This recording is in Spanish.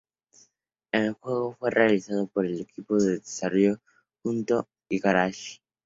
El juego fue realizado por el equipo que desarrolló junto a Igarashi.